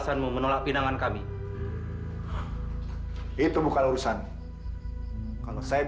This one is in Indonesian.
sampai jumpa di video selanjutnya